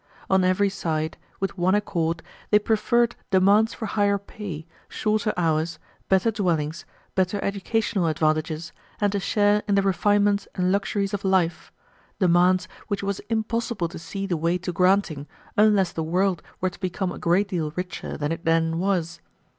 On every side, with one accord, they preferred demands for higher pay, shorter hours, better dwellings, better educational advantages, and a share in the refinements and luxuries of life, demands which it was impossible to see the way to granting unless the world were to become a great deal richer than it then was.